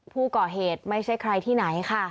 ผู้ก่อเหตุไม่ใช่ใครที่ไหนค่ะ